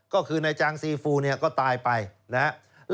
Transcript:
ก็คือในจางซีฟูเนี่ยก็ตายไปนะฮะ